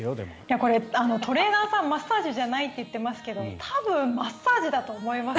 これ、トレーナーさんマッサージじゃないって言っていますけど多分、マッサージだと思います。